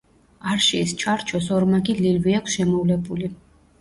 არშიის ჩარჩოს ორმაგი ლილვი აქვს შემოვლებული.